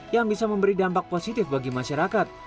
yang bisa memberi dampak positif bagi masyarakat